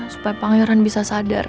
supaya pangeran bisa saling kerja